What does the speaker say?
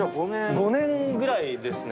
５年ぐらいですね。